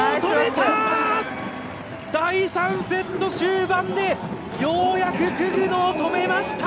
第３セット終盤でようやくクグノを止めました！